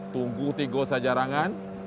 tunggu tiga sejarangan